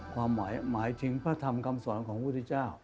ความหมายหมายถึงพระธรรมคำสอนของพุทธเจ้า